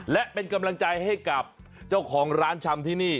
และเป็นกำลังใจให้กับเจ้าของร้านชำที่นี่